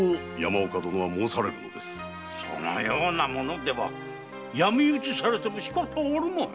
そのような者では闇討ちされてもしかたあるまい。